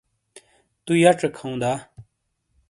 تُو یَڇیک ہَؤں دا؟